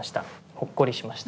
ほっこりしました。